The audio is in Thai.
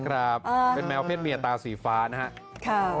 ครับเป็นแมวเพศเมียตาสีฟ้านะครับ